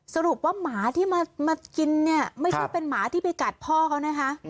สรุปว่าหมาที่มากินเนี่ยไม่ใช่เป็นหมาที่ไปกัดพ่อเขานะคะ